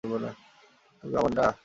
তুমি, আমান্ডা?